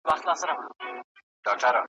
چي پر مځکه خوځېدله د ده ښکار وو `